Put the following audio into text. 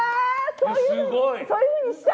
そういうふうにしたい！